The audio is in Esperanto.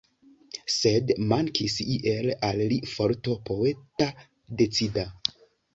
Sed mankis iel al li forto poeta decida.